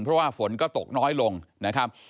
เพราะว่าฝนก็ตกน้อยลงนะครับ